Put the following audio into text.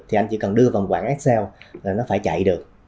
thì anh chỉ cần đưa vào một quảng excel là nó phải chạy được